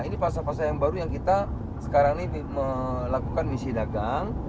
ini pasar pasar yang baru yang kita sekarang ini melakukan misi dagang